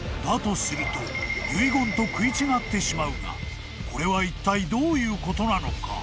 すると遺言と食い違ってしまうがこれはいったいどういうことなのか？］